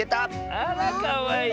あらかわいい。